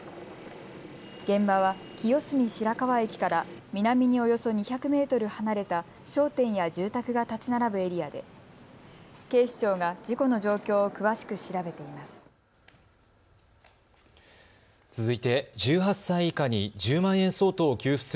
現場は清澄白河駅から南におよそ２００メートル離れた商店や住宅が建ち並ぶエリアで警視庁が事故の状況を詳しく調べています。